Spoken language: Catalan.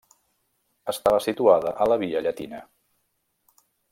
Estava situada a la Via Llatina.